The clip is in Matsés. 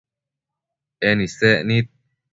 En isec nid